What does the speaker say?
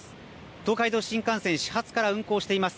東海道新幹線、始発から運行しています。